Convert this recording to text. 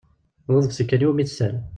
D aḍebsi kan iwumi tessal.